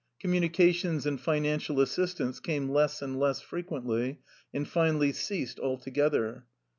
Communications and financial assistance came less and less frequently, and finally ceased alto gether.